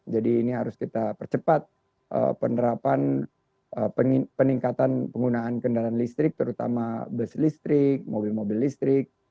jadi ini harus kita percepat penerapan peningkatan penggunaan kendaraan listrik terutama bus listrik mobil mobil listrik